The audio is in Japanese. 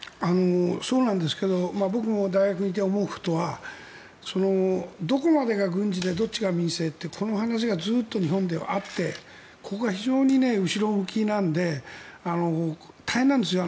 そうなんですけど僕も大学にいて思うことはどこまでが軍事でどっちが民生ってこの話がずっと日本ではあってここは非常に後ろ向きなので大変なんですよ。